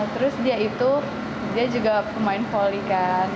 terus dia itu dia juga pemain volley kan